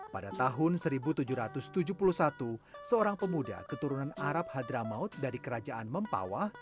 pada tahun seribu tujuh ratus tujuh puluh satu seorang pemuda keturunan arab hadramaut dari kerajaan mempawah